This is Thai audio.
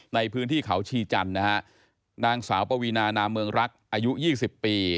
ในพื้นที่เขาชีจันทร์นะฮะนางสาวปวีนานาเมืองรักอายุ๒๐ปี